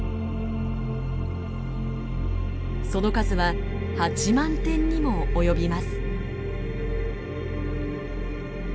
その数は８万点にも及びます。